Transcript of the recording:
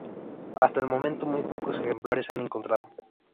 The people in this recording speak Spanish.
Hasta el momento, muy pocos ejemplares se han encontrado.